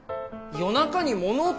夜中に物音！？